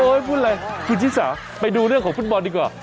พูดอะไรคุณชิสาไปดูเรื่องของฟุตบอลดีกว่า